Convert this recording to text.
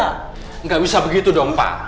tidak bisa begitu pak